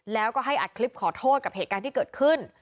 แล้วก็ให้อัดคลิปขอโทษกับเหตุการณ์ที่เกิดขึ้น